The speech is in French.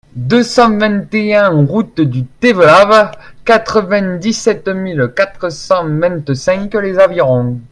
deux cent vingt et un route du Tévelave, quatre-vingt-dix-sept mille quatre cent vingt-cinq Les Avirons